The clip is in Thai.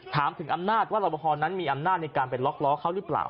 ถามถึงอำนาจว่ารอปภนั้นมีอำนาจในการไปล็อกล้อเขาหรือเปล่า